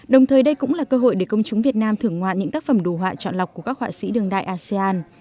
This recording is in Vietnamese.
đồng thời đây cũng là cơ hội để công chúng việt nam thưởng ngoạn những tác phẩm đồ họa chọn lọc của các họa sĩ đường đại asean